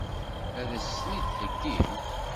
Ad as-ten-id-theggim?